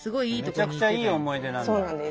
めちゃくちゃいい思い出なんだ。